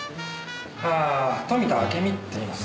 ああ富田明美って言います。